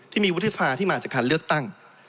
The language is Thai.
ที่มีวุฒิสภาที่มาจากการเลือกตั้ง